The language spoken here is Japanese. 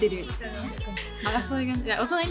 確かに。